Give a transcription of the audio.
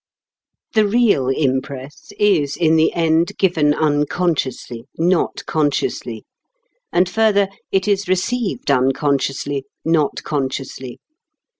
The real impress is, in the end, given unconsciously, not consciously; and further, it is received unconsciously, not consciously.